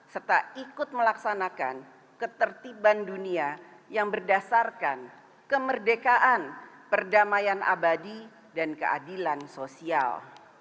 serta ikut melaksanakan ketertiban dunia yang berdasarkan kemerdekaan perdamaian abadi dan keadilan sosial